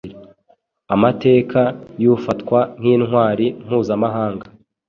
amateka y’ufatwa nk’intwari mpuzamahanga